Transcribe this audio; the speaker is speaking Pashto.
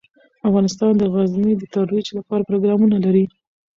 افغانستان د غزني د ترویج لپاره پروګرامونه لري.